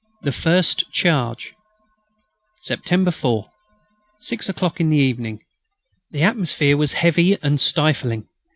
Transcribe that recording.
THE FIRST CHARGE September 4. Six o'clock in the evening. The atmosphere was heavy and stifling.